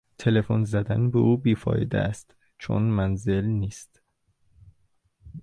تلفن زدن به او بی فایده است چون منزل نیست.